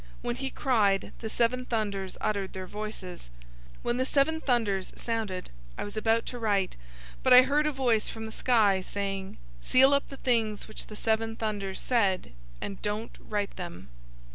When he cried, the seven thunders uttered their voices. 010:004 When the seven thunders sounded, I was about to write; but I heard a voice from the sky saying, "Seal up the things which the seven thunders said, and don't write them."